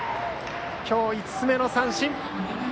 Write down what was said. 今日５つ目の三振。